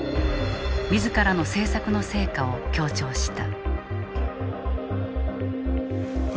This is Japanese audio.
自らの政策の成果を強調した。